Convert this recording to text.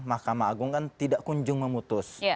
mahkamah agung kan tidak kunjung memutus